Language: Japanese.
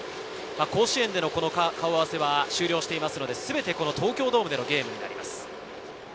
甲子園での顔合わせは終了していますので、全て東京ドームでのゲームになります。